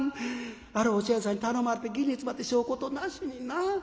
あるお茶屋さんに頼まれて義理詰まってしょうことなしにな。